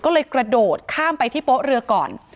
ก็เลยกระโดดข้ามไปที่โป๊ะเรือก่อน